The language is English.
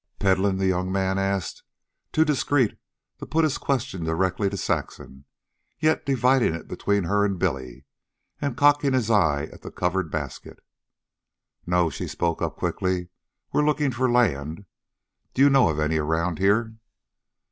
"Peddlin'?" the young man asked, too discreet to put his question directly to Saxon, yet dividing it between her and Billy, and cocking his eye at the covered basket. "No," she spoke up quickly. "We're looking for land. Do you know of any around here?"